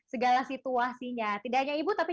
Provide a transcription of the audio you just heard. segala situasinya tidak hanya ibu tapi